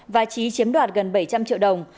và trí chiếm đoạt gần bảy trăm linh triệu đồng